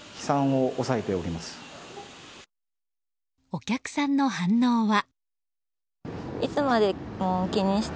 お客さんの反応は。